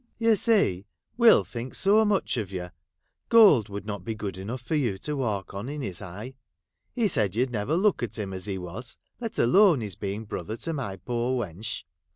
' You see Will thinks so much of you — gold would not be good enough for you to walk on, in his eye. He said you 'd never look at him as he was, let alone his being brother to my poor wench.